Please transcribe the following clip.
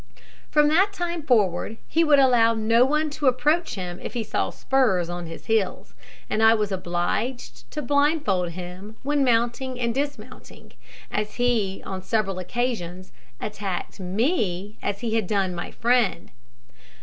From that time forward he would allow no one to approach him if he saw spurs on his heels; and I was obliged to blindfold him when mounting and dismounting, as he on several occasions attacked me as he had done my friend.